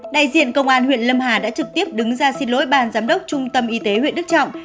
đại diện công an huyện lâm hà đã trực tiếp đứng ra xin lỗi ban giám đốc trung tâm y tế huyện đức trọng